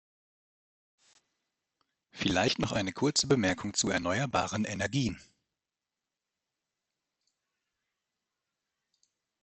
Vielleicht noch eine kurze Bemerkung zu erneuerbaren Energien.